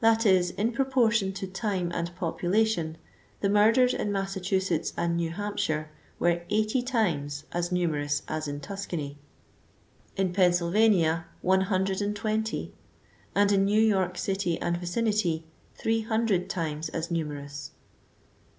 That is, in proportion to time and population, the murders in Massachusetts and New Hampshire were 80 times as numerous as in Tuscany ; in Pennsylvania, 120 ; and in New York city and vicinity, 300 times as numerous.